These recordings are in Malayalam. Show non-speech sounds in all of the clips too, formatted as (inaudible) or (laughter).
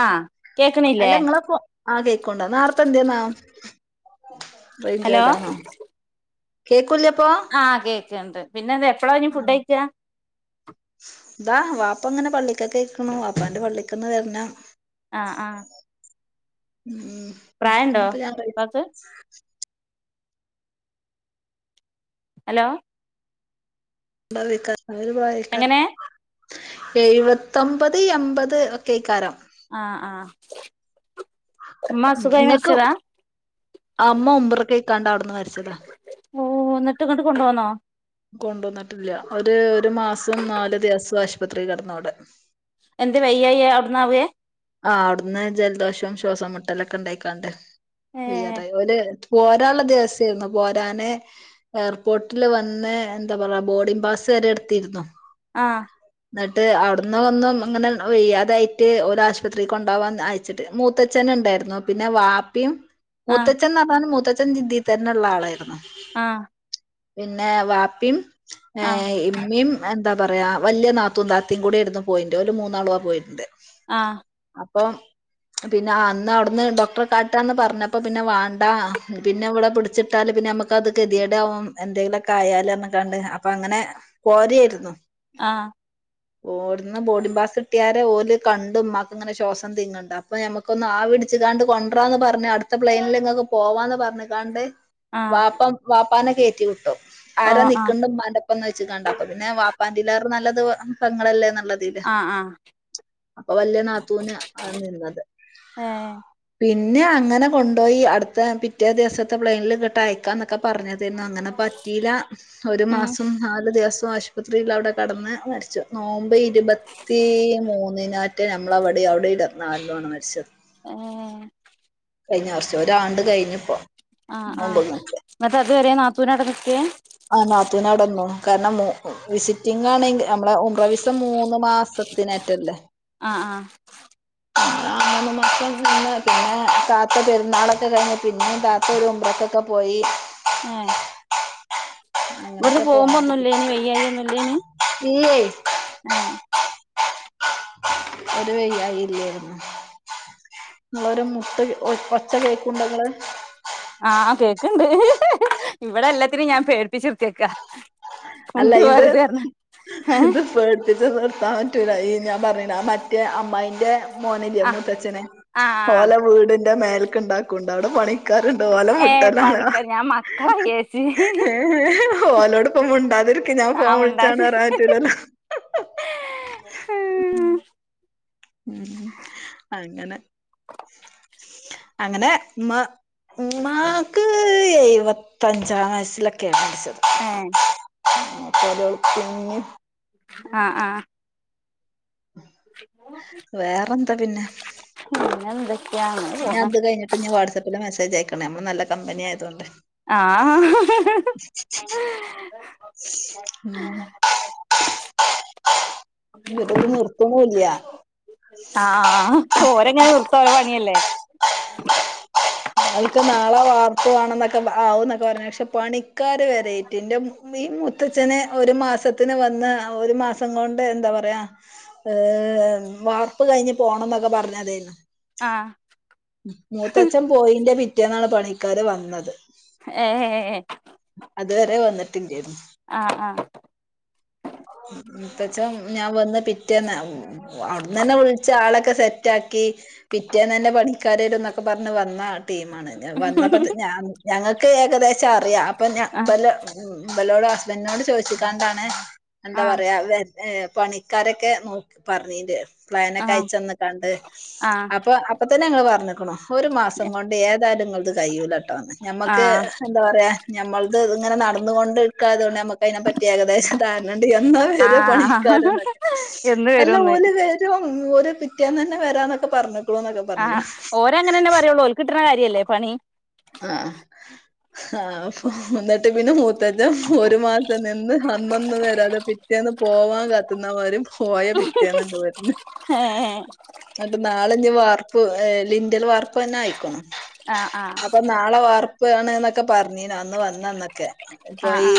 ആ കേക്കണില്ലേ അല്ല ഇങ്ങളപ്പോ ആഹ് കേക്കോണ്ടാ നേർത്തെ എന്ത്യേന്നാവം? ഹലോ റെയിഞ്ചോയ്താണോ? കേക്കൂല്ലേ ആഹ് കേ ക്ക്ണ്ട് പിന്നെ എന്തേ പ്പ്ളാ ഇഞ് ഫുഡ് കഴിക്കാ? ദാ വാപ്പ ഇങ്ങനെ പള്ളിക്കക്കെയ്ക്കുണു വാപ്പാന്റെ പള്ളിക്കന്ന് വര്ണം. ആഹ് ആഹ് ഉം ഉമ് ഇന്ന്പ്പം ഞാൻ കഴി ഉപ്പാക്ക് ഹലോ ഉണ്ടാവേക്കാ അവര് പോയേക്ക എങ്ങനെ എഴുപത്തൊമ്പത് എമ്പത് ഒക്കെയ്ക്കാരം. ആഹ് ആഹ് നിങ്ങക്ക് അമ്മ ഉംറക്ക് പോയ്‌ക്കാണ്ട് അവിടുന്ന് മരിച്ചതാ ന്ന്ട്ട് ഇങ്ങോട്ട് കൊണ്ടോന്നോ കൊണ്ടോന്നിട്ടില്ല ഒരു ഒരു മാസം നാല്ദിവസം ആശുപത്രി കിടന്നു അവിടെ എന്ത് വയ്യായി അവിടന്നാവേ ആഹ് അവിടുന്ന് ജലദോഷവും ശ്വാസം മുട്ടലൊക്കെ ഉണ്ടായിക്കാണ്ട് ഏ വേയ്യാതായി ഓല് പോരാനുള്ള ദിവസെന്നു പോരാന് എയർപോർട്ടിൽ വന്ന് എന്താ പറയാ ബോഡിം പാസ് വരെ എടുത്തിരുന്നു ആഹ് എന്നിട്ട് അവിടന്ന ഒന്നും അങ്ങനെ വെയ്യാതായിട്ട് ഒൽ ആശു പത്രിക്ക് കൊണ്ടാവാൻ അയച്ചിട്ട് മൂത്തച്ഛന് ഉണ്ടായിരുന്നു പിന്നെ വാപ്പിയും ആ മൂത്തച്ചൻ പറഞ്ഞാൽ മൂത്ത (unintelligible) തന്നെള്ള ആളായിരുന്നോ ആ പിന്നെ വാപ്പിം ഏ ആ ഇമ്മീം എന്താ പറയാ വല്യയ നാത്തും താതിം കൂടി യായിരുന്നു പോയിണ്ട് ഓല് മൂന്നാളുവാ പോയിണ്ട് ആ അപ്പം പിന്നെ അന്ന് അവിടുന്ന് ഡോക്ടറെ കാട്ടാന്ന് പറഞ്ഞപ്പ പിന്നെ വാണ്ടാ പിന്നെ ഇവിടെ പിടിച്ചിട്ടാല് പിന്നെ നമ്മക്ക് അത് കെതികേ ടാവും എന്തെലുംക്കെ ആയാല് കണ്ട് അപ്പൊ അങ്ങനെ പോരായിരുന്നു അ ഓട്ന്ന് ബോഡി പാസ് കിട്ടിയാരെഓൽ കണ്ടുഇമ്മ ഇങ്ങനെ ശ്വാസം തിന്നണ്ട അപ്പൊ ഞമ്മക്കൊന്ന് ആ വിടിച്ച കാണ്ട് കൊണ്ട റാന്ന് പറഞ്ഞ് അടുത്ത പ്ലെയിനിൽ ഇങ്ങൊക്ക് പോവാന്ന് പറഞ്ഞു കാണ്ട് ആ വാപ്പം വാ പ്പാനെ കേറ്റി വിട്ടോ ഓ ആര ആ നിക്ണ്ട് ഉമ്മാന്റെ ഒപ്പം ചോയ്ച്ക്കണ്ട് അപ്പ പിന്നെ വാ (unintelligible) നല്ലത്പെങ്ങളെ ല്ലേ ന്ന് പറഞ്ഞ് ഉള്ളതില് ആ ആ അപ്പൊ വല്യയ നാത്തു പിന്ന അത് നിന്നത് ഏ പിന്നെ അങ്ങനെ കൊണ്ടോയിഅടുത്ത പിറ്റേ ദിവസത്തെ പ്ലെയിനിൽ എങ്ങണ്ട് അയക്കാ എന്നൊക്കെ പറഞ്ഞതേനു അങ്ങനെ പറ്റിയില്ല ഒരു ഉം മാസം നാല് ദിവസവും ആശുപത്രിൽ അവിടെ കിടന്ന് മരിച്ചു നോമ്പ് ഇരുപത്തി മൂന്നിനോ മ (unintelligible) നമ്മള അവിഡിം അവിടെഇരുമ്പത്തിനാലിനാണ് മരിച്ചത് ഹെ കഴിഞ്ഞ വർഷം ഒരാണ്ട് കഴിഞ്ഞ് ഇപ്പം ആആ എന്നിട്ട് അതുവരെ നാ തൂന് അവിടെ നിക്കേ ആ നാത്തൂൻ അവിടെ നിന്നു കാരണം മോ ഉ വിസിറ്റിംഗ്ആണെങ്കിൽ നമ്മള ഒ പ്രവിസ് ത് മൂന്ന് മാസത്തിനെറ്റല്ലേ ആ ആ അ മൂന്ന് മാസം നിന്ന് പിന്നെ താത്ത പെരുന്നാളൊക്കെ കഴിഞ്ഞ പിന്നെ താത്ത ഒരു ഉംറകെ ക്കെ ഒക്ക പോയി ഏ ഇവ്ടന്ന് അങ്ങനെയൊക്കെ പോകുമ്പോ പോണത് ഒന്നുല്ലേനി വയ്യായി ഒന്നുല്ലേനി ഇല്ലേ ഏ ഒരു വയ്യായി ഇല്ലേർന്ന് ങ്ങളൊരു മുട്ട് ഒച്ച കേക്ക്‌ണ്ട ങ്ങള് ആ കേക്കണ്ട് ഇവിടെ എല്ലത്തിനിം ഞാൻ പേടിപ്പിച്ച് നിർത്തിയേക്ക അല്ല ഇത് ഏഹ് ഇത് പേട്പ്പിച്ചതാണ് പറ്റൂല്ല ഈ ഞാൻ പറയണ മറ്റേ അമ്മായിന്റെ മോന് ല്ലേ ആഹ് മൂത്തച്ഛനെ ആഹ് ഓലെ വീട് മേൽക്ക്‌ ഇണ്ടാക്കുണ്ട് അവിടെ പണി ക്കാര് ണ്ട് ഓലെ ഏഹ് മുട്ടലാണ് ആ പണിക്കർ ഞാൻ മക്കളെ വിചാരിച്ച് ഏ ഏ ഓലോട് പ്പം മുണ്ടാതിരി ക്ക്‌ ഞാൻ ഫോൺ ആഹ് വിളിച്ചാണ് മുണ്ടാതെ റയാൻ റ്റൂലല്ലോ ഉം അങ്ങനെ അങ്ങനെ മ്മ മ്മാക്ക് എഴുവ ത്തഞ്ചാം വയസ്സ്ലൊക്കെയ ഏ (unintelligible) അ ആ വേറന്താ പിന്നെ പിന്നെ എന്തൊക്കെയാ അങ്ങനെ ഞാ പോണ് അത് കയിഞ്ഞിട്ട് ഞ്ഞ് വാട്സപ്പില് മെസ്സേജ് അയക്കണേ നമ്മൾ നല്ല കമ്പനി ആയതോണ്ട് ആ ഉം ഇവരിത് നിർത്തണൂല്ല ആ ഓരെങ്ങനെ നി ർത്തോ ഓലെ പണിയല്ലേ അവൽക്ക് നാളെ വാർപ്പ് വാണം ന്നൊക്കെ ആവും എന്നൊക്കെ പറഞ്ഞു പക്ഷെ പണിക്കാര് വരായ് റ്റെ ന്റെ ഈ മുത്തച്ഛന് ഒരു മാസത്തിന് വന്ന് ഒരു മാസം കൊണ്ട് എന്താ പറയാ ഏ വാർപ്പ് കഴിഞ്ഞ് പോണം ന്നൊക്കെ പറഞ്ഞതേനു ആ മൂത്തച്ഛൻ പോയിന്റെ പി റ്റെന്നാണ് പണിക്കാര് വന്നത് ഏ ട്ടിം ചെയ്തു ആഹ ആഹ മൂത്തച്ചം ഞാ വന്ന് പിറ്റേന്ന അവിട് നെന്നെ വിൾച്ച് ആളൊക്കെ സെറ്റാ ക്കി പിറ്റേന്നന്നെ പണിക്കാരരും ന്നൊക്കെ പറഞ്ഞ് വന്നാണ് ടീമാണ് വന്നപ്പോ ഞ ഞങ്ങ ക്ക്‌ ഏകദേശ അറിയാ അപ്പം ഞാ ആഹ് ബല ബലോട പ്പ ഇന്നോട് ചോയ്ച്ച്ക്കാണ്ടാണ് എന്താ ആഹ് പറയാ ഏ പണിക്കാരൊക്കെ നോക്കി പറഞ്ഞിണ്ട് പ്ലാൻ ഒക്കെ ആഹ് അയച്ചന്ന്ക്കാണ്ട് ആഹ് അപ്പൊ അപ്പൊ തന്നെ ഞങ്ങള് പറഞ്ഞ് ക്ക്ണു ഒരു മാസം കൊണ്ട് ഏതാനുങ്ങൾ അത് കൈയൂല കേട്ടോ ആഹ് ഞമ്മക്ക് ആഹ് എന്താ പറയാ ഞമ്മൾത് ഇങ്ങനെ നടന്ന ഒന്ന് കൊണ്ടിടുക്കാത കൊണ്ട് ഞമ്മക്ക് അതിനെ പറ്റി ഏകദേശ ധാരണ ണ്ട് എന്നാ വര ആഹ് പണിക്കാരന്നൊക്കെ എന്ന് എല്ലാ വരുംന്ന് ഓല് വരും ഓര് പിറ്റേന്ന് തന്നെ വരാന്നൊക്കെ പറഞ്ഞു പറഞ്ഞിക്കണുന്നൊക്കെ ആ ഓര് അങ്ങനെ തന്നെ പറയുള്ളൂ ഓര്ക്ക് കിട്ടണ കായി ല്ലേ പണി ആ ആ അപ്പൊ എന്നിട്ട് പിന്നെ (unintelligible) ഒരു മാസം നിന്ന് അന്നൊന്ന് വരാതെ പിറ്റേന്ന് പോവാൻ കാത്ത് നിന്ന വരും പോയ പിറ്റേന്ന്ണ്ട് വരണ് ഏഹ് എന്നിട്ട് നാളഞ്ഞ് വാർ ലിങ്കൽ വാർപ്പ് ന്നെ ആയിക്കണു ആ അപ്പൊ നാളെ വാർപ്പ് ഇപ്പഴാണ് എന്നൊക്കെ പറഞീന അന്ന് വന്നന്നൊക്കെ ഇപ്പൊ ആഹ് ഈ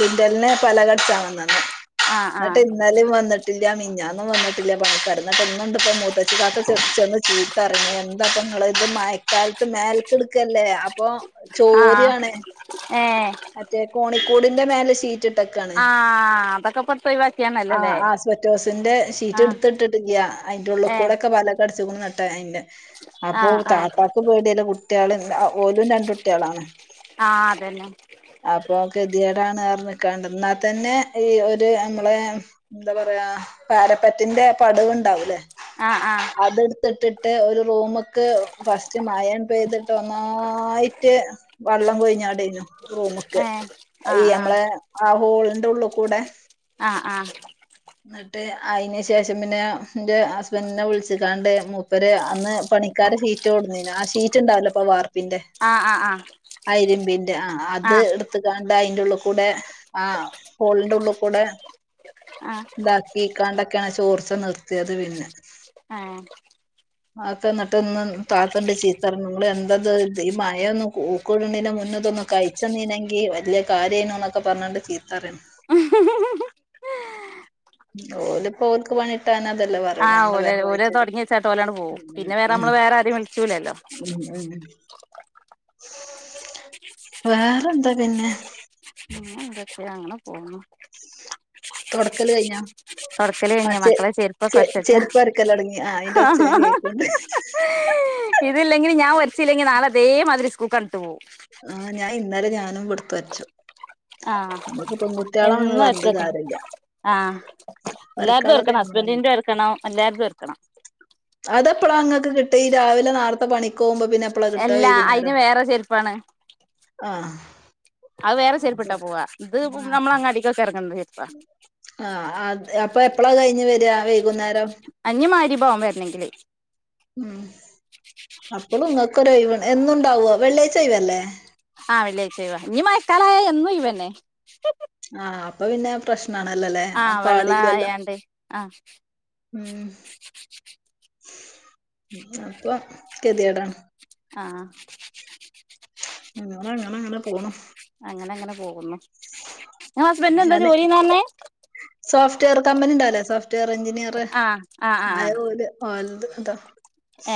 (inaudible) പലകട ചാങ്ങുന്നത് ആഹ് എന്നട്ട് ആഹ് ഇന്നലേം വന്നിട്ട് ഇല്ല മിഞ്ഞാന്നും വന്നിട്ടില്ല പണിക്കാർ ഇന്നിണ്ട് ഇപ്പ മൂത്തച്ചിക്കാക്ക ചെന്ന് ചീത്ത പറയണ് എന്താപ്പ നിങ്ങള് ഇത് മയക്കാലത്ത് മേൽക്കെട് ല്ലേ അപ്പൊ ആഹ് ആഹ് ചോരിയാണേ ഏഹ് അതെ കോണി കൂടിന്റെ മേല ശീറ്റ് ഇട്ടേക്കാണ് ആഹ് അതൊക്കെ ഇപ്പടുത്ത് ആ ഒഴിവാക്കിയാണല്ലോല്ലേ ആ ആസ്പറ്റോസിന്റെ ഷീറ്റ് ആഹ് എടുത്തിട്ടില്ല അതിന്റെ ഉള്ള ഏഹ് കൂടൊക്കെ വലകടിച്ച് അ നട്ട അതിന്റെ അപ്പൊ ആഹ് ആഹ് താത്താക്ക് പേടിയല്ലേ കുട്ടികളും ഓലും രണ്ട് കുട്ടികളാണ് ആ അതെന്നെ അപ്പൊ കെത്യാടാണ്ന്ന് പറഞ്ഞിക്കാണ്ട് എന്നാ തന്നെ ഈ ഒരു നമ്മളെ എന്താ പറയാ പാരപ്പറ്റിന്റെ പടവുണ്ടാവൂല്ലേ ആഹ ആഹ ഇട്ടിട്ട് ഒരു റൂമ്ക്ക് ഫസ്റ്റ് മഴണ്ട് പെയ്തിട്ട് ഒന്നായിട്ട് വള്ളം കൊഴിഞ്ഞാടയ്നു റൂമ്ക്ക് ഏഹ് ഈ ആഹ് ആഹ് നമ്മളെ ആ ഹോൾ ണ്ടെ ള്ളൂ ക്കൂടെ ആ ആ എന്നിട്ട് അയിന് ശേഷം പിന്നെ ന്റെ ഹസ്ബൻഡിനെ വിളിച്ചിക്കാണ്ട് മൂപ്പര് അന്ന് പണിക്കാരെ ഷീറ്റ് കൊട്ന്നീനു ആ ഷീറ്റ് ഉണ്ടാവൂലെ പ്പം വാർ - പ്പിന്റെ ആഹ് ആഹ് ആഹ് ആ ഇരിമ്പിന്റെ ആ അത് ആഹ് എടുത്ത്കാണ്ട് അതിന്റുള്ള് കൂടെ ആ ഹോളിന്റെ ഉള്ള് കൂടെ ആഹ് ഇതാക്കി കാണ്ട് ക്കാണ് ചോർച്ച നിർത്തിയത് പിന്നെ ഏഹ് ആക്കെ എന്നിട്ട്ന്ന് താത്തണ്ട് ചീത്തറിണ് നിങ്ങൾ എന്തത് ഈ മഴൊന്നും ഊക്കുഡ്നയിന്റെ മുന്നേ ഇതൊന്ന് കഴിച്ചെന്നീനെങ്കി വല്യ കാര്യം അയ്നുന്നൊക്കെ പറഞ്ഞണ്ട് ചീത്തറീണ് ഓലിപ്പോ ഓർക്ക് പണിട്ടാനാ ആ ഓല് ഓല് തുടങ്ങി വച്ചാട്ട് ഓലാണ്ട് പോവും. പിന്നെ വേറെ ഉം നമ്മള് വേറെ ആരും വിളിച്ചൂലല്ലോ ഉം ഉം ഉം വേറെന്താ പിന്നെ പക്ഷെ അങ്ങനെ പോകുന്നു തുടക്കല് കഴിഞ്ഞോ തൊടക്കല് ആ കഴിഞ്ഞ് ചെ മക്കളെ ചെരുപ്പ് ഒക്കെ ചെ ഒരച്ചൊട്ക്ക ചെരുപ്പ് അരക്കലൊടങ്ങി ആ അയിന്റെ ഒച്ച ഞാൻ കേൾക്കണ്ട് ഇതില്ലെങ്കിൽ ഞാൻ ഒര ച്ചില്ലെങ്കി നാളെ ഇതേ മാതിരി സ്കൂൾക്കാണ്ട് ഇട്ട് പോകും ആ ഞാൻ ഇന്നലെ ഞാനും ഇവിടുത്തെ വരച്ചു ആ നമുക്ക് പെൺകുട്ടികളാണെന്ന് എന്നും പറഞ്ഞിട്ട് ഒരച്ചക്കണം കാര്യമില്ല ആ എല്ലാരതും വരക്കാളത് ഒര്ക്കണം നമ്മളന്നെ ഹസ്ബന്റിന്റെ ഒര്ക്കണം എല്ലാര്തും ഒര്ക്കണം അതെപ്പളാ ങ്ങക്ക് കിട്ടി ഈ രാവിലെ നേരത്തെ പണിക്കോകുമ്പം എല്ലാ അതിന് വേറെ ചെരുപ്പാണ് ആഹ് അത് വേറെ ചെരുപ്പിട്ടാ പോവാ ഇത് നമ്മള് അങ്ങാടീക്കൊക്കെ ഇറങ്ങണത് ആ അ അപ്പൊ എപ്പളാ കഴിഞ്ഞ് വരാ വൈ അ ഇഞ്ഞ് മഗ്‌രിബ് ആകും വരണെങ്കില് ഉം അപ്പളും ങ്ങക്ക് രൊഴിവുണ്ടോ എന്നുണ്ടാവോ വെള്ളിയാഴ്ച ഒഴിവല്ലേ ആ വെള്ളിയാഴ്ച ഒഴിവാ ഞ് മഴക്കാലയാ എന്നും ഒഴിവന്നെ ആ അപ്പൊ പിന്നെ പ്രശ്ന ആ വെള്ള ആയാണ്ട് ആ ഉം അപ്പൊ കേത്യാടാണ് ആ ഞങ്ങളങ്ങനങ്ങനെ പോണ് അങ്ങനെ അങ്ങനെ പോകുന്നു ഹസ്ബെൻഡിന് എന്താ ഞാന് ജോലിന്നാ പറഞ്ഞെ സോഫ്റ്റ്വെയർ കമ്പനി ഉണ്ടല്ലേ സോഫ്റ്റ്വെയർ എഞ്ചിനീയർ ആഹ് ആഹ് ആയ ആഹ് ഓല് ത്ക്കാ താ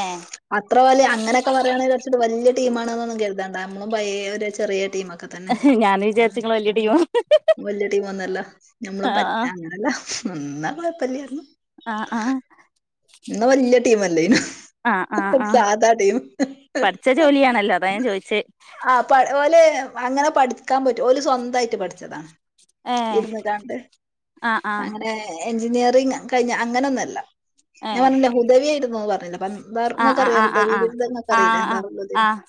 ഏഹ് അത്ര വലിയ അങ്ങനെയൊക്കെ പറയുകയാണെങ്കിൽ വച്ചിട്ട് വലിയ ടീമാണെന്നൊന്നും കരുതാണ്ട് നമ്മള് പയ ഒരു ചെറിയ ടീമൊക്കെ തന്നെ ഞാന് വിചാരിച്ചിങ്ങള് വല്യ ടീമാ വല്യ ടീം ഒന്നല്ല നമ്മളും ആഹ് പറ്റനല്ല എന്നാ കുഴപ്പല്ലായിരുന്നു അ അ ഇന്നവലിയ ടീമല്ലേനും ആഹ ആഹ് ആഹ പഠിച്ച ജോലിയണല്ലോ അതാ ഞാൻ ചോയിച്ചേ ആ പ ഓല് അങ്ങനെ പഠിക്കാൻ പറ്റും ഒരു സ്വന്തമായിട്ട് പഠിച്ചതാണ് ഏ ഇരുന്ന് കാണ്ട് ആഹ ആഹ അങ്ങനെ എഞ്ചിനീയറിങ് കഴിഞ്ഞ അങ്ങനെയൊന്നുമല്ല ഞാൻ ഏഹ് പറഞ്ഞില്ല ഹുദവിയ ആയിരുന്നുന്ന് പറഞ്ഞില്ല ആഹ് ഇങ്ങക്കറിയാം ആഹ് ആഹ് ദാറുൽഹുദവി വങ്ങക്ക അറിയില്ല ആഹ് ആഹ് ദാറുൽ ആഹ് ഹുദവി ആഹ്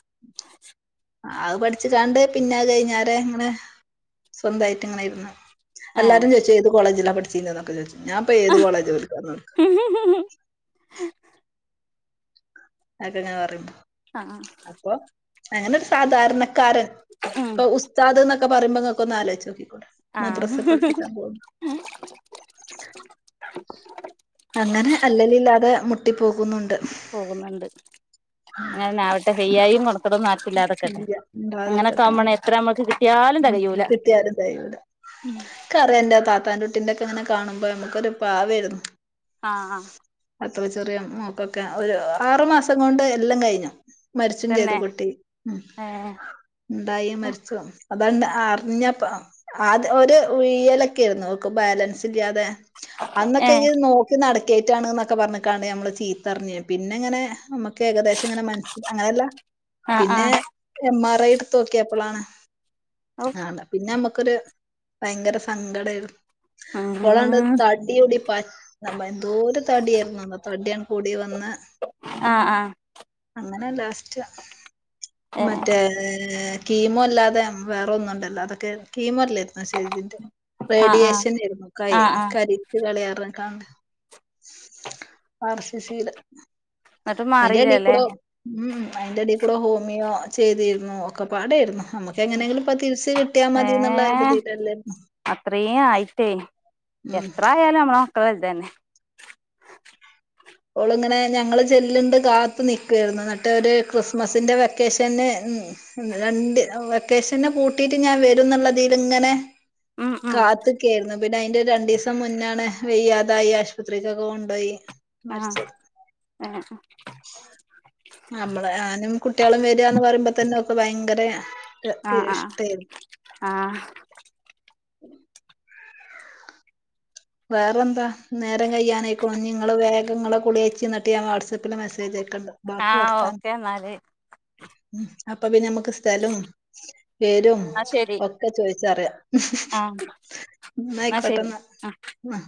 അത് പഠിച്ചു കാണ്ട് പിന്നെ കഴിഞ്ഞാല ഇങ്ങനെ സ്വന്തായിട്ട് ഇങ്ങനെ ഇരുന്നു ആഹ് എല്ലാരും ചോയ്ച്ച ഏത് കോളേജിലാ പഠി ച്ചീന്യത് ന്നൊക്കെ ചോയ്ക്കും ഞാൻ ഇപ്പൊ ഏതു കോളേജ് ബർക്ക് പർഞ്ഞൊട്ക്കാ (inaudible) ഏഹ് അത്ങ്ങനെ പറയുമ്പോ ആഹ അപ്പൊ അങ്ങനെ ഒരു സാധാരണ ക്കാരൻ ഉം പ്പം ഉസ്താദ് പറയുമ്പം ഇങ്ങക്കൊന്ന് ആലോചിച്ച് നോക്കി മദ്രസ ആഹ് പഠിപ്പിച്ചാൻ പോണ്. അങ്ങനെ അല്ലൽ ല്ലാതെ മുട്ടി പോകുന്നുണ്ട് അങ്ങനാവട്ടെ (unintelligible) ക്ക ടൊന്നും ആർക്കുല്ലാതക്കെട്ടെ ഇല്ല അങ്ങനൊക്കെ ഇണ്ടാതിരിക്കട്ടെ നമ്മ ഉം എത്ര നമ്മക്ക് കിട്ടിയാലും ഉം തെകയൂല കിട്ടിയാലും തെയുല ഇൻക്കറ്യാന്റെ താത്ത താത്താൻ റ്റുട്ടിന്റെ ഇങ്ങനെ കാണുമ്പോ നമ്മക്കൊരു പാവമായിരുന്നു ആഹ ആഹ അത്ര ചെറിയ നോക്കൊക്കെ ഒരു ആറു മാസം കൊണ്ട് എല്ലാം കഴിഞ്ഞു മരിച്ചും ചെയ്തു തന്നെ കുട്ടി ഉ ഏഹ് ഉണ്ടായി മരിച്ച അണ്ട് അറിഞ്ഞപ്പ ആത് ഒരു ഉയലൊക്കെ ആരുന്നു നക്ക ബാലൻസ് ഇല്ലാതെ അന്നൊക്കെ ഏഹ് ഇത് നോക്കി നടക്ക കേറ്റാണ് എന്നൊക്കെ പറഞ്ഞട്ടാണ് നമ്മള് ചീത്തറിഞ്ഞഞ് പിന്നെ ഇങ്ങനെ നമ ഏകദേശം ഇങ്ങനെ മന അങ്ങനെയല്ല ആഹ് പിന്നെ ആഹ് എ റൈ ഇട്ത്തോക്ക്യേപ്പളാണ് ഔ ആണ പിന്നെമ്മ ക്കൊരു ഭയങ്കര സങ്കടയി ഒളണ്ട് ഉം തട്യൂടി പ എന്തോരു തട്യേരുന്നോ തട്യാണ് കൂടി വന്ന് ആഹ് ആഹ് അങ്ങനെ ലാസ്റ്റ് ഏഹ് മറ്റേ കീമോ അല്ലാതെ വേറെ ഒന്നും ഉണ്ടല്ലോ അതൊക്കെ കീമോ ല്ലേ ആ ശരിതിന്റെ ആഹ് ആഹ് റേഡിയേഷൻ ആരുന്നു കൈ ആഹ് ആഹ് കരിച്ച് കളയാ (unintelligible) എന്നിട്ടും മാറിയില്ലല്ലേ അയ്ൻ്റെടേക്കൂടെ ഉം അയ്ന്റെ എടേൽ കൂടെ ഹോമിയോ ചെയ്തിരുന്നു ഒക്കെ പാടെയിരുന്നു നമുക്ക് എങ്ങനെയെങ്കിലും ഇപ്പൊ തിരിച്ച കിട്ടിയാൽ മതി എന്നുള്ള ഇ ഏഹ് തീരല്ലേരുന്നു അത്രയും ആയിട്ടേ എത്ര ആയാലും അമ്മള (unintelligible) തന്നെ ഓളിങ്ങനെ ഞങ്ങള് ചെല്ലിണ്ട് കാത്തു നിക്കുവാരുന്നു മട്ടേ ഒരു ക്രിസ്മസിന്റെ വെക്കേഷന് രണ്ട് വെക്കേഷന് കൂട്ടീട്ട് ഞാൻ വരും എന്നുള്ളതിൽ ഇങ്ങനെ ഉം ഉം കാത്ത കേറുന്ന പിന്നെ അയിന്റെ രണ്ടീസം മുന്നാണ് വെയ്യാതായി ആശുപത്രീക്ക് ഒക്കെ കൊണ്ടോയി ആഹ് മരിച്ചത് ഏഹ് നമ്മള് ഞാനും കുട്ട്യാളും വരാന്ന് പറിമ്പോ തന്നെ ഓ ഭയ്ങ്കര ആഹ് ആഹ് ആഹ് വേറെ എന്താ നേരം കയ്യാനയ്ക്ക്ണു ഇഞ്ഞിങ്ങള് വേഗങ്ങളെ കുളിയച്ചി ഐന്നിട്ട് ഞാൻ വാട്സആപ്പിൽ മെസേജ് അയ് ബാക്കി ആഹ് വർത്താന ഓക്കെ എന്നാല് എന്നാ അപ്പൊ പിന്ന അമ്മക്ക് സ്ഥലം പേരും ശരി ഒക്കെ ചോയ് ച്ചറിയ ആഹ് എന്നാ ശരി ന്നായാകോട്ടെന്ന ആ ആ